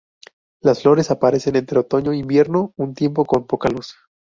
Las flores aparecen entre otoño e invierno, un tiempo con poca luz.